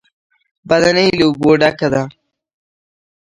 بدنۍ له اوبو ډکه وه.